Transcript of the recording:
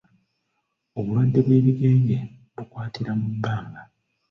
Obulwadde bw'ebigenge bukwatira mu bbanga.